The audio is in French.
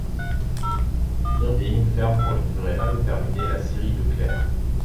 Irving ferme pour une durée indéterminée la scierie de Clair.